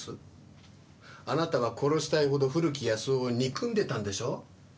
あなたは殺したいほど古木保男を憎んでたんでしょう？